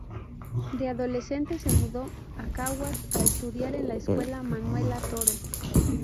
De adolescente se mudó a Caguas a estudiar en la Escuela Manuela Toro.